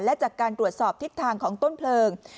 และจากการตรวจสอบทิศทางของต้นเพลิง